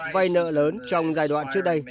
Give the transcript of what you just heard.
vay nợ lớn trong giai đoạn trước đây